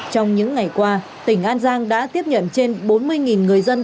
trong những ngày qua tỉnh an giang đã tiếp nhận trên bốn mươi người dân